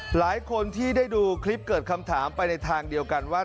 หลายคนที่ได้ดูคลิปเกิดคำถามไปในทางเดียวกันว่า